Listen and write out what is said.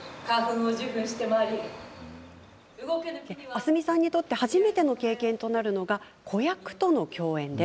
明日海さんにとって初めての経験となるのが子役との共演。